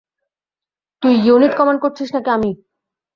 তুই unit command করছিস নাকি আমি?